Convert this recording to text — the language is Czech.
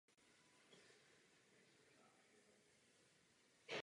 Pracoval i jako lesník.